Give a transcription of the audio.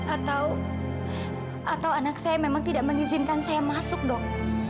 atau anak saya memang tidak mengizinkan saya masuk dok